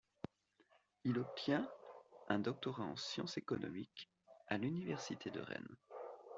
Il obtient un doctorat en sciences économiques à l’Université de Rennes.